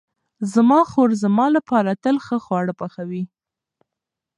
زما خور زما لپاره تل ښه خواړه پخوي.